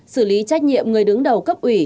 xử lý trách nhiệm người đứng đầu cấp ủy